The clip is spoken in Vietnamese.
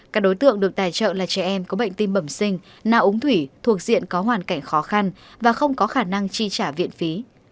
các đối tượng được tài trợ là trẻ em có bệnh tim bẩm sinh nạ ống thủy thuộc diện có hoàn cảnh khó khăn và không có khả năng chi trả viện phí